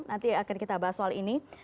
nanti akan kita bahas soal ini